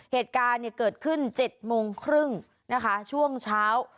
เหตุการณ์เกิดขึ้น๗โมงครึ่งนะคะช่วงเช้า